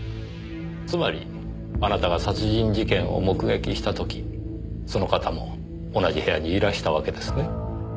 つまりあなたが殺人事件を目撃した時その方も同じ部屋にいらしたわけですね？